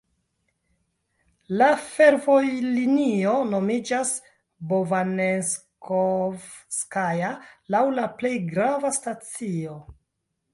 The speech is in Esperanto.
La fervojlinio nomiĝas Bovanenskovskaja laŭ la plej grava stacio.